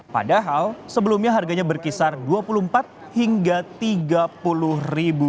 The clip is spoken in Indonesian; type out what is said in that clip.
padahal sebelumnya harganya berkisar rp dua puluh empat hingga rp tiga puluh